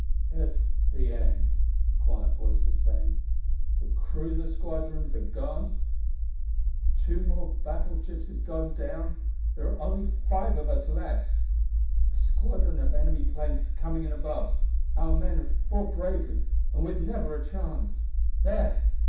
"It is the end," the quiet voice was saying; "the cruiser squadrons are gone.... Two more battleships have gone down: there are only five of us left.... A squadron of enemy planes is coming in above. Our men have fought bravely and with never a chance.... There!